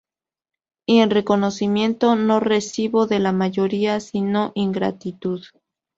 Y en reconocimiento no recibo de la mayoría sino ingratitud".